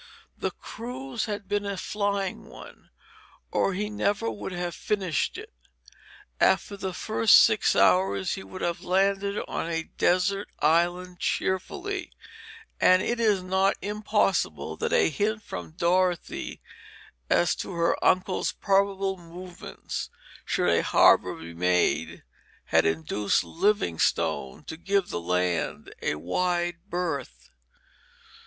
The cruise had been a flying one, or he never would have finished it. After the first six hours he would have landed on a desert island cheerfully and it is not impossible that a hint from Dorothy as to her uncle's probable movements should a harbor be made had induced Livingstone to give the land a wide berth.